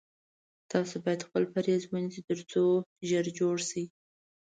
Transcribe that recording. تاسو باید خپل پریز ونیسی تر څو ژر جوړ شی